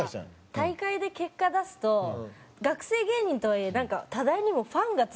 大会で結果出すと学生芸人とはいえなんか他大にもファンがつくんですよ。